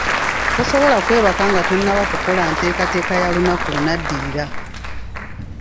Tasobola kwebaka nga tannaba kukola nteekateeka ya lunaku lunaddirira.